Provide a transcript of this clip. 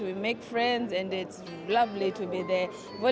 kita berpikir pikir dan itu sangat menyenangkan